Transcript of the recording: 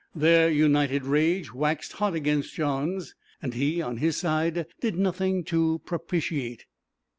Their united rage waxed hot against Johns, and he, on his side, did nothing to propitiate.